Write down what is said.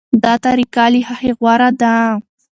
دا طریقه له هغې غوره ده.